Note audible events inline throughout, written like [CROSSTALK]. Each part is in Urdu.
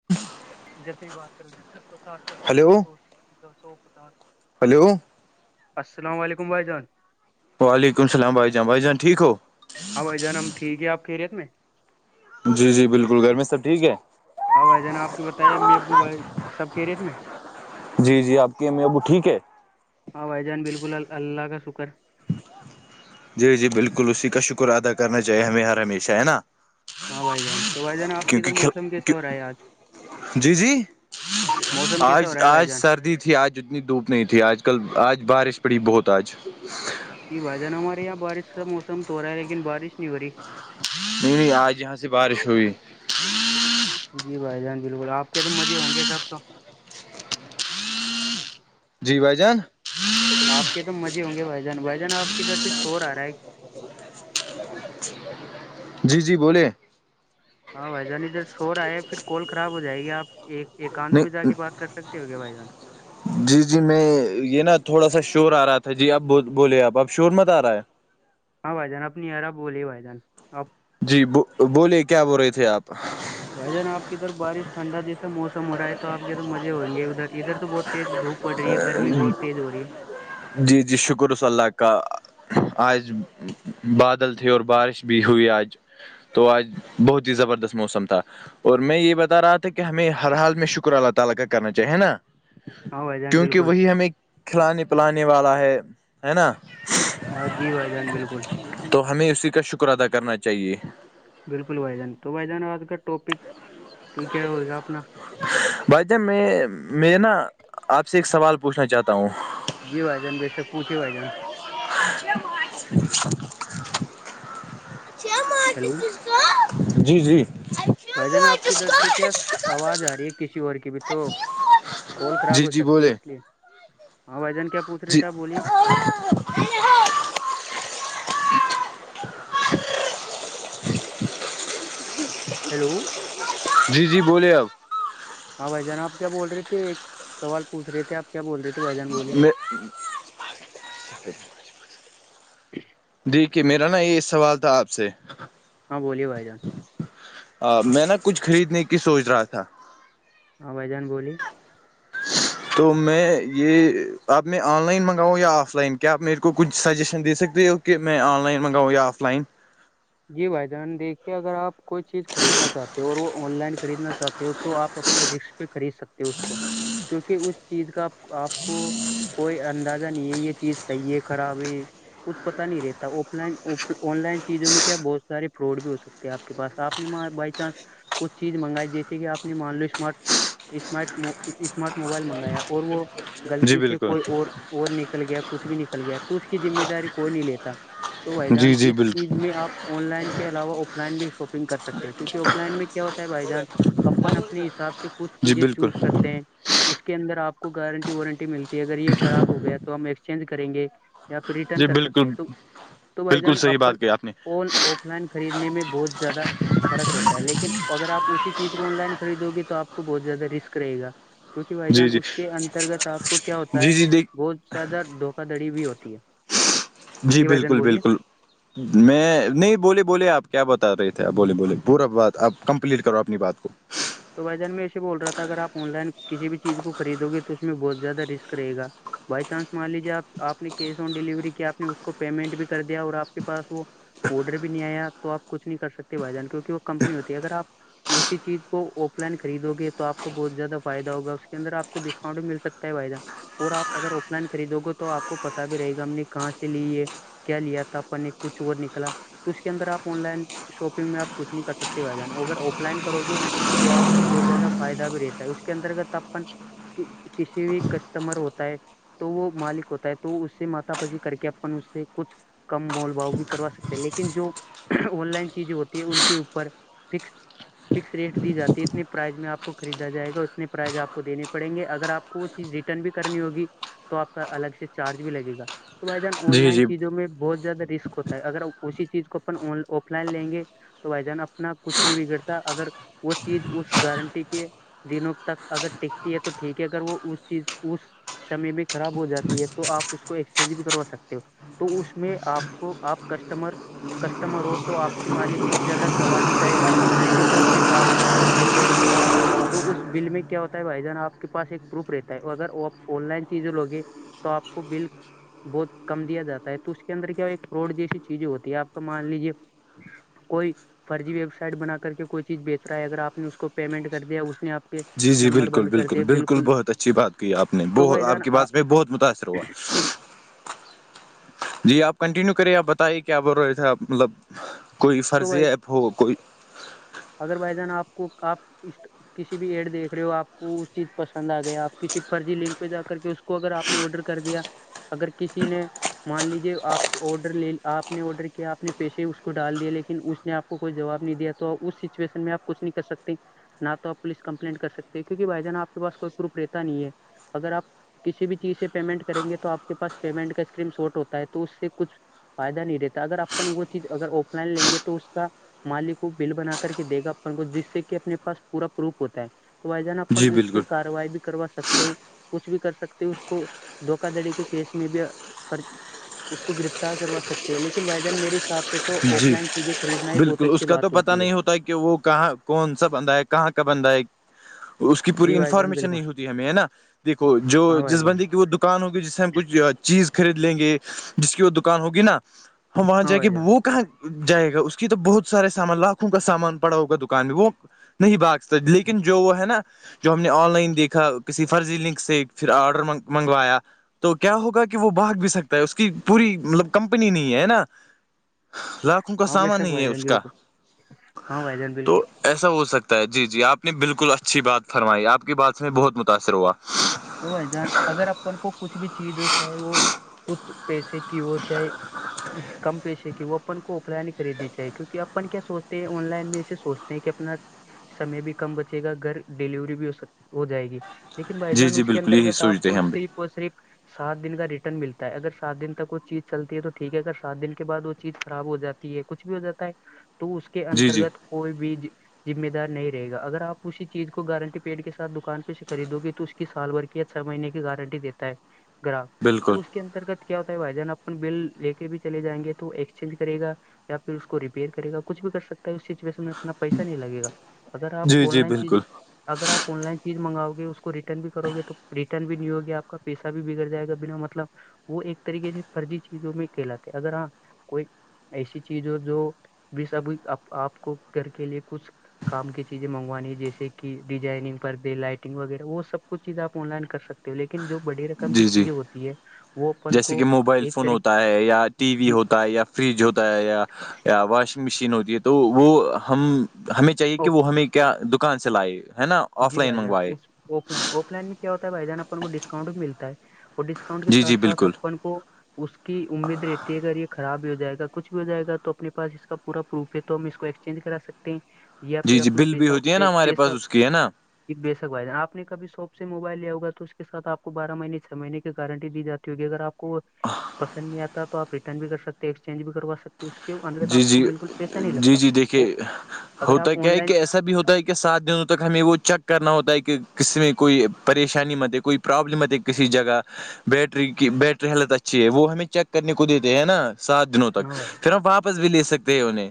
[UNINTELLIGIBLE] جت بھی بات کرو ج جو سات سو پانچ ہلو سو سو سو تین سو سو پچاس ہلو السلام علیکم بھائی جان وعلیکم السلام بائی ج بھائی جانٹھیک ہو ابھائی جان ہم ٹھیک ہے آپ کییرییت میں جی جی بالکل گرھر میں سب ٹھیک ہے ہاں بھائی جانا آپ کے بتائیے اب ابو بھائی سب کے ریٹ میں جی جی آپ کی ا اب ٹھیک ہے ہاں بھائی جان بالکل اللہ کا شکر جی جی بالکل اسی کا شکر ادا کرنا چاہیے ہمیں ہر ہمیشہ ہے نا ہاں بھائی جان تو بھائی جان آپ کدھر کیونکہ موسم کل کیسا ہو رہا ہے آج جی جی موسم کیسا ہو آج رہا ہے بھائی آج جان سردی تھی آج جتنی دھوپ نہیں تھی آج کل آج بارش پڑی بہت آج جی بھائی جان ہمارے یہاں بارش کا موسم تو ہو رہا ہے لیکن بارش نہیں ہو رہی نہیں نہیں آج یہاں سے بارش ہوئی جی بھائی جان بالکل آپ کے تو مزے ہوں گے سب تو جی بھائی جان آپ کے تو مزے ہوں گے بھائی جان بھائی جان آپ کی ادھر سے شور آ رہا ہے [UNINTELLIGIBLE] جی جی بوولے ہاں بھائی جان ادھر شور آئے پھر کال خراب ہو جائے گی آپ ایک ایککانت بھی جا نہیں کی بات کر سکتے ہوگے بھائی جان جی جی میں یہ نا تھوڑا سا شور آ رہا تھا جی اب بولے آپ اب شور مت آ رہا ہے ہاں بھائی جان اپنی ارب بولی بھائی جان اب جی بولیے کیا بول رہے تھے آپ بھائی جان آپ کی ادھر بارش ٹھنڈا جسا موسم ہو رہا ہے توپ کے اد مزے ہووں گے ادھر ادھر تو بہت تیز دھوپ پڑی ہے گرمی بہت تیز ہو رہی ہے جی جی شکر ص اللہ کا آج بادل تھے اور بارش بھی ہوئی آج تو آج بہت ہی زبردست موسم تھا [UNINTELLIGIBLE] ہاں بھائی جان کیونکہ بالکل وہی ہمیں کھلانے پلانے والا ہے ہے نا ہاں جی بھائی جان بالکل تو ہمیں اسی کا شکر ادا کرنا چاہیے بالکل بھائی جان تو بھائی جان آج کا ٹاپک تو کیا ہوگا اپنا بھائی جہ میں میں نا آپ سے ایک سوال پوچھنا چاہتا ہوں جیوھائی جان بیسک پوچے بھائی جان چہ مارچ ہیلو جی جی بھائی جان آپ کی در سے کیا آواز آ رہی ہے کسی اور کی بھی تو کول خراب جی ہو جی سکتی ہے بولے اس لیے ہاں بھ جان کیا پوچھ رہے جی تھے آپ بولیے [UNINTELLIGIBLE] ہیلو جی جی بولے اب ہاں بھائی جان آپ کیا بول رہے تھے ایک سوال پوچ رہے تھے آپ کیا بول رہے تھے بھائی جان بولیے میں جی دیکیک میرا نا یہ سوال تھا آپ سے ہاں بولیے بھائی جان میں نا کچھ خریدنے کی سوچ رہا تھا ہاں بیدان بولیے تو میں یہ اب میں آن لائن منگاؤں یا آف لائن کیا آپ میرے کو کچھ سجیشن دے سکتے ہو کہ میں آن لائن منگاؤں یا آف لائن جی بھائی جان دیکھیے اگر آپ کوئی چیز خریدنا چاہتے ہو اور وہ آن لائن خریدنا چاہتے ہو تو آپ اپنے ر پہ خرید سکتے ہو اس کو کیونکہ اس چیز کا آپ کو کوئی اندازہ نہیں ہے یہ چیز صحیح ہے خراب ہے کچھ پتا نہیں رہتا آف لائن آن لائن چیزوں میں کیا بہت سارے فراڈ بھی ہو سکتے ہیں آپ کے پاس آپ نے بائی چانس کچھ چیز منگائی جیسے کہپ نے مان لو اسمارٹ اسمارٹ اسمارٹ موبائل منگایا اور وہ جی غلطی سے بالکل کوئی اور اور نکل گیا کچھ بھی نکل گیا تو اس کی ذمہ داری کوئی نہیں لیتا تو بھائی جان جی جی اس چیز بالکل میں آپ آن لائن کے علاوہ آف لائن بھی شاپنگ کر سکتے ہو کیکہ آف لائن میں کیا ہوتا ہے بائی جان اپن اپنے حساب سے کچھ جی چیزیں بالکل چوز کرتے ہیں اس کے اندر آپ کو گارنٹی وارنٹی ملتی ہے اگر یہ خراب ہو گیا تو ہم ایکسچینج کریں گے یا پھر ریٹرن جی کر سکتے ہیں بالکل تو تو بھائی بالکل جان صحیح اپن بات کہی آپ نے ف آف لائن خریدنے میں بہت زیادہ فرق رہتا ہے لیکن اگر آپ اسی چیز کو آن لائن خریدو گ تو آپ کو بہت زیادہ رسک رہےا کیونکہ بھائی جی جان جی اس کے انترگت آپ کو کیا ہوتا ہے جی جی دیک بہت زیادہ دھوکا دھڑی بھی ہوتی ہے جی بھائی جان بالکل بولیے بالکل میں نہیں بولے بولے آپ کیا بتا رہے تھے آ بولے بولے پورا بات آپ کمپلیٹ کرو اپنی بات کو تو بھائی جان میں اسے بول رہا تھا اگر آن لائن کسی بھی چیز کو خرید گے تو اس میں بہت زیادہ رسک رہےا بائی چانس مان لیجے آپ آپ نے کیش آن ڈیلیوری کیا آپ نے اس کو پیمنٹ بھی کر دیا اور آپ کے پاس وہ آڈر بھی نہیں آیا تو آپ کچھ نہیں کر سکتے بھائی جان کیونکہ وہ کمپنی ہوتی ہے اگر آپ اسی چیز وہ آف لائن خریدو گے تو آ کو بہت زیادہ فائدہ ہوگا اس کے اندر آ کو ڈسکاؤنٹ بھی مل سکتا ہے فائدہ اور آپ اگر آف لائن خریدو گے تو آپ کو پت بھی رہے گا ہم نے کہاں سے لی ہے کیا لیا تھا اپ نے کچھ اور نکلا تو اس کے اندر آپ آن لائن شاپنگ میں آپ کچھ نہیں کر سکتے بھائی جانو اگر آف لائن کرو گے تو آپ کو بہت زیادہ فائد بھی رہتا ہے اس کے انترگت اپن کسی بھی کسٹمر ہوتا ہے تو وہ مالک ہوتا ہے تو اس سے مات بجی کر کے اپن اس سے کچھ کم مول بھاؤ بھی کروا سکتے ہیں لیکن جو آن لائن چیزیں ہوتی ہیں ان کے اوپر فکس فکس ریٹ دی جاتی ہے اتنے پرائز میں آپ کو خریدا جائے گا اتنے پرائز آپ کو دینے پڑیں گے اگر آپ کو وہ چیز ریٹ رن بھی کرنی ہوگی تو آپ کا الگ سے چارج بھی لگے گا تو بھائی جان آن جی لائن جی چیزوں میں بہت زیادہ رسک ہوتا ہے اگر اسی چیز کو اپ آف لائن لیں گے تو بھائی جان اپنا کچھ نہیں بگڑتا اگر وہ چیز اس گارنٹی کے دنوں تک اگر ٹکتی ہے تو ٹھیک ہے اگر وہ اس چیز اس سمے بھی خراب ہو جاتی ہے تو آپ اس کو ایکسچینج بھی کروا سکتے ہو تو اس میں آپ کو آپ کسٹمر کسٹمر ہو تو آپ سے مالک کچھ زیادہ سوال نہیں کرے گا صرف ہو صرف آپ اس کا بل دینا ہوگا تو اس بل میں کیا ہوتا ہے بھائی جان آپ کے پاس ایک پروف رہتا ہے اگر وہ آپ آن لائن چیزیں لوگے تو آپ کو بل بہت کم دیا جاتا ہے تو اس کے اندر کیا ہو فوڈ جیسی چیزیں ہوتی ہے آپ کا مان لیجیے کوئی فرضی ویب سائٹ بنا کر کے کوئی چیز بیچ رہا ہے اگر آپ نے اس کو پیمنٹ کر دیا اس نے آپ کے جی جی نمبر بالکل بند کر بالکل دیا بالکل بہت اچھی بات کی آپ نے ب تو بھائی جان آپ کی بات پہ بہت متاثر ہوا [UNINTELLIGIBLE] جی آپ کنٹینیو کریے آپ بتائیے کیا بول رہے تھ مطلب کوئی تو بھائی فرضی ایپ ہو کوئی اگر بھائی جان آپ کو آپٹ کسی بھی ایڈ دیکھ رہے ہو آپ کو اس چیز پسند آ گیا آپ کسی فرضی لنک پہ جا کر کے کو اگر آپ نے آڈر کر دیا اگر کسی نے مان لیجیے آپ کو آڈر لے آپ نے آڈر کیا آپ نے پیسے اس کو ڈال دیا لیکن اس نے آپ کو کوئی جواب نہیں دیا تو اس سچویشن میں آپ کچھ نہیں کر سکتے نہ تو آپ پولیس کمپلینٹ کر سکتے کیونک بھائی جان آ کے پاس کوئی پروپ رہتا نہیں ہے اگر آپ کسی بھی چیز سے پیمنٹ کریں گے تو آپ کے پاس پیمنٹ کا اسکریم شارٹ ہوتا ہے تو اس سے کچھ فائدہ نہیں رہتا اگر اپن وہ چیز اگر آف لائن لیں گے تو اس کا مالک کو بل بنا کر کے دے گا اپن کو جس سے کہ اپنے پاس پورا پروف ہوتا ہے توائی جان اپن جی اس پہ بالکل کاروائی بھی کروا سکتے ہیں کچھ بھی کر سکتے اس کو دھوکا دھڑی کے کیس میں بھی فر اس کو گرفتار کروا سکتے ہیں لیکن وائیدان میرے حساب سے تو آف جی لائن چیزیں خریدنا ہی بہت بالکل اچھی اس کا بات ہے تو پتہ ہوتی نہیں ہوتا کہ وہ کہاں کون سا بندہ ہے کہاں کا بندہ ہے اس کی پوری جی بھائی جان انفارمیشن بالکل نہیں ہوتی ہمیں ہے نا دیکھو جو ہاں بھائی جس جان بندی کی وہ دکھ دکان ہوگی جس سے ہم کچھ چیز خرید لیں گے جس کی وہ دکان ہوگی نا ہم وہاں ہاں جا کے بھائی جان بو کہاں جائے گا اس کی تو بہت سارے سامان لاکھوں کا سامان پڑاؤ کا دکان ہے وہ نہیں باگ س لیکن جو وہ ہے نا جو ہم نے آن لائن دیکھا کسی فرضی لنک سے پھر آرڈر منگوایا تو کیا ہوگا کہ وہ بھاگ بھی سکتا ہے اس کی پوری مطلب کمپنی نہیں ہے نا لاکھوں کا ہاں بے سامان شک نہیں بھائی ہے جان اس کا بالکل ہاں بھائی جان بالکل تو ایسا ہو سکتا جی جی آپ نے بالکل اچھی بات فرمائی آپ کی بات سے بہت متاثر ہوا تو جان اگر اپن کو کچھ بھی چیز ہو چاہے وہ کچھ پیسے کہ وہ چاہے کم پیشے کی وہ اپن کو آف لائن ہی خریدنی چاہیے کیونک اپن کیا سوچتے ہیں آن لائن میں ایے سوچتے ہیں کہ اپنا سمے بھی کم بچے گا گھر ڈیلیوری بھی ہو سک ہو جائے گی لیکن بھائی جی جان جی اس کے بالکل یہی انترگت آپ سوچتے کو ہیں ہم بھی صرف اور صرف سات دن کا ریٹرن ملتا ہے اگر سات دن تک وہ چیز چلتی ہے تو ٹھیک ہے اگر سات دن کے بعد وہ چیز خراب ہو جاتا ہے کچھ بھی ہو جاتا ہے تو اس کے جی جی انترگت کوئی بھی ذمہ دار نہیں رہےا اگر آپ اسی چیز کو گارنٹی پیڈ کے سات دکان پہ سے خریدو گے تو اس کی سال بھر کی یا چھ مہینے کی گارنٹی دیتا ہے گراہک بالکل تو اس کے انترگت کیا ہوتا ہے بھائی جان اپن بل لے کے بھی چل جائیںے تو ایکسچینج کرے گا یا پھر اس کو ریپیئر کرے گ کچھ بھی کر سکتا ہے اس سچویشن میں اپنا پیسہ نہیں لگےا اگر آپ جی آن جی لائن چیزیں بالکل اگر آپ آن لائن چیز منگاؤ گے اس کو ریٹرن بھی کرو گے تو ریٹرن بھی نہیں ہوگیا آپ کا پیسہ بھی بگڑ جائے گا بنا مطلب وہ ایک طریقے سے فرضی چیزوں میں کہلاتے اگر ہاں کوئی ایسی چیز ہو جو بھی سب آپ کو گھر کے لیے کچھ کام کی چیزیں مگوانی ہے جیسے کہ ڈیزائنگ پر دے لائٹنگ وغیرہ وہ سب کچھ چیزیں آن لائن کرکتے ہو لن جو بڑی ر جی جی جیسے کہ موبائل ایک فون طریق ہوتا ہے یا ٹی وی جی ہوتا ہے یا فریج ہوتا ہے یا یا واشنگ مشین ہوتی ہے تو وہ ہم ہمیں چاہیے کہ وہ ہمیں کیا دکان چلائی ہے نا آف جی لائن بھائی جان منگوائے آف لائن آف لائن میں کیا ہوتا ہے بھائی جان اپن کو ڈسکاؤنٹ بھی ملتا ہے اور ڈسکاؤنٹ کے جی جی ساتھ ساتھ بالکل اپن کو اس کی امید رہتی ہے اگر یہ خراب بھی ہو جائے گا کچھ بھی ہو جائے گا تو اپنے پاس اس کا پورا پروف ہے تو ہم اس کو ایک چینج کرا سکتے ہیں یا پھر اپنا پیہ پیسہ کیا نا بے شک بھد آپ نے کب شاپ سے موبائل لیا ہوگا تو اس کے سھ آپ کو بارہ مہی چھ مہینے کی گارنٹی دی جاتی ہوگی اگر آپ کو پسند نہیں آتا تو آپ ریٹرن بھی کر سکتے ہیں ایکسچینج بھی کروا سکتے اس کے اندر تو جی آپ کو جی بالکل پیسہ نہیں جی لگتا جی وہ دیکھیے اگر ہوتا آپ کیا آن ہے کہ لائن ایسا بھی ہوتا ہے کہ کے ساتھ دنوں تک ہمیں وہ چیک کرنا ہوتا ہے کہ کسسی میں کوئی پریشانی مت ہے کوئی پرابلم آتی کسی جگہ بیٹری کی بیٹری ہیلت اچھی ہے وہ ہمیں چیک کرنے کو دیتے ہے نا سات دنوں تک ہاں بھائی پھر ہم واپس بھی لے سکتے ہیں انہیں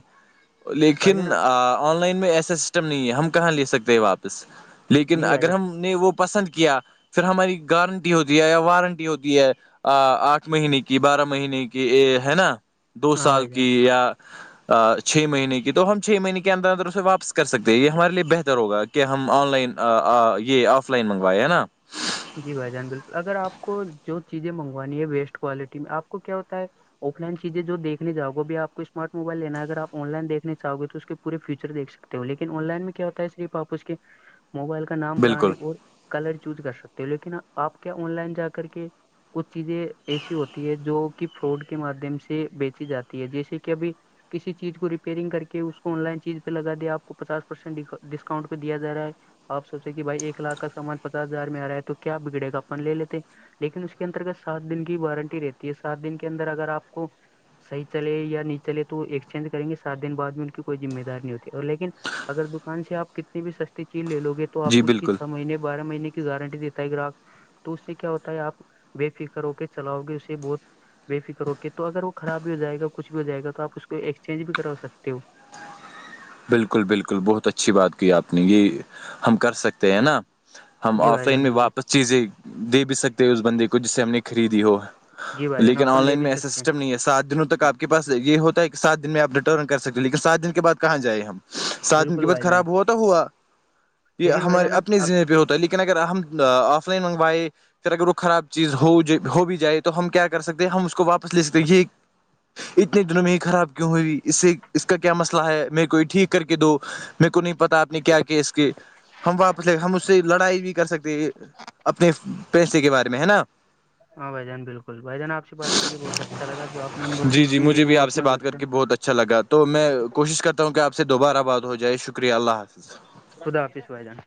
بھائی جان لیکن آپ- آن لائن میں ایسا سسٹم نہیں ہے ہم کہاں لے سکتے ہیں واپس لیکن نہیں بھائی اگر جان ہم نے وہ پسند کیا پھر ہماری گارنٹی ہوتی ہے یا وارنٹی ہوتی ہے آ آٹھ مہینے کی بارہ مہینے کی ہے نا دو ہاں سال بھائی کی جان یا چھ مہینے کی تو ہم چھ مہینے کے اندر اندر اسے واپس کر سکتے ہیں یہ ہمارے لیے بہتر ہوگا کہ ہم آن لائن یہ آف لائن منگوائے ہے نا جی بھائی جان بالکل اگر آپ کو جو چیزیں منگوانی ہے ویسٹ کوالٹی میں آپ کو کیا ہوتا ہے آف لائنیزیں جو دیکنے جا گے اب آ کو اسمارٹ موبائل لینا اگر آن لائنیکھنے چاہ گے تو اس پور فیچر دیک سکتے ہو لیکن آن لائن میں کیا ہوتا ہے صرف آپ اس کے موبائل کا نام برانڈ بالکل اور کلر چوز کر سکتے ہو لیکن آپ کیا آن لائن جا کر کے کچھ چیزیں ایسی ہوتی ہے جو کہ فراڈ کے مادھیم سے بیچی جاتی ہے جیسے کہ ابھی کسی چیز کو ریپیئرنگ کر کے اس کو آن لائن چیز پہ لگا دیا آپ کو پچاس پرسینٹ ڈسکاؤنٹ پہیا جا رہا ہے آپ سوچے کہ بھائی ایک لاکھ کا سامان پچاس ہزار میں آ رہا ہے تو کیا بگڑے گا اپن لے لیتے لیکن اس کے انترگت سات دن کی وارنٹی رہتی ہے سات دن کے اندر اگر آپ کو صحی چلے یا نہیں چلے تو ایکسچینج کریں گے سات دن بع بھی ان کی کوئی ذمہ دار نہیں ہوتی اور لیکن اگر دکان سے آپ کتنی بھی سستی چیز لے لوے تو آپ جی اس کی بالکل چھ مہینے بارہ مہینے کی گارنٹی دیتے گراہک تو اس سے کیا ہوتا ہے آپ بے فکر ہو کے چلاؤ گے اسے بہت بے فکر اوک تو اگر وہ خراب بھی ہو جائے گا کچھ بھی ہو جائے گا آپ اس کو ایکسچینج بھی کروا سکتے ہو بالکل بالکل بہت اچھی بات کی آپ نے یہ ہم کر سکتے ہیں نا ہم جی آف بھائی لائن جان میں بالکل واپس چیزیں دے بھی سکتے اس بندے کو جس سے ہم نے خریدی ہو جی بھائی جان لیکن اپن آن لے لائن بھی میں ایسا سکتے ہیں سسٹم نہیں ہے سات دنوں تک آپ کے پس یہ ہوتا ہے کہ سات دن میں آپ ریٹرن کر سکتے ہو لیکن سات دن کے بعد کہاں جائیں ہم سھن ق بالکل بت بھائی جان خراب ہوا تو ہوا یہ لیکن بھائی ہمارے جان اپنے ہنے پہ ہوتا لیکن لیکن اگر ہم آف لائن منگوائے پھر اگر وہ خراب چیز ہو بھی جائے تو ہم کیا کر سکتے ہیں ہم اس کو واپس لے سکتے یہ اتنے دنوں میں یہ خراب کیوں ہوئیئی اس سے اس کا کیا مسئلہ ہے میںیرے کوئی ٹھیک کر کے دو میںیر کوئی نہیں پتا آپ نے کیا کیا اس کے ہم واپس لے ہم اس سے لڑائی بھی کر سکتے اپنے پیسے کے بارے میں ہے نا ہاں بھائی جان بالکل بھائی جان آ سے بات کر کے بہت اچھا لگا جو آپ نے جی جی انفارمیشن دی مجھے بھی آپ وہپ سے بات کر بچہ کے بہت اچھا لگا تو میں کوشش کرتا ہوں کہ آپ سے دوبارہ آباد ہو جائے شکریہ اللہ حافظ خدا آپس میں آئے جانا